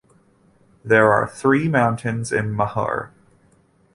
There are three mountains in Mahur.